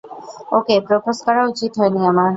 ওকে propose করা উচিত হয়নি আমার।